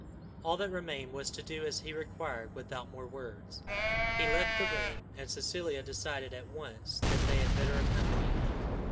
All that remained was to do as he required without more words. He left the room, and Cecilia decided at once that they had better accompany him.